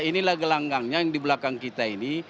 inilah gelanggangnya yang di belakang kita ini